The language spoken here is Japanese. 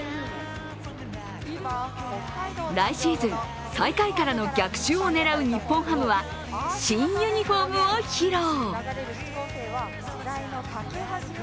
来シーズン、最下位からの逆襲を狙う日本ハムは新ユニフォームを披露。